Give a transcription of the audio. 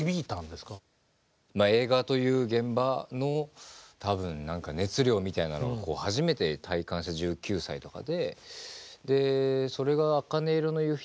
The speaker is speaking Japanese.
映画という現場の多分何か熱量みたいなのを初めて体感した１９歳とかで。